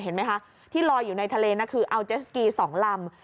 เห็นไหมคะที่ลอยอยู่ในทะเลนะคืออัลเจสกี๒ลำ